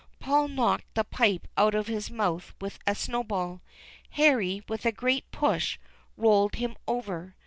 Paul knocked the pipe out of his mouth with a snowball. Harry, with a great push, rolled him over.